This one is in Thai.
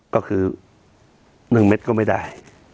ก็คือ๑เม็ดก็ไม่ได้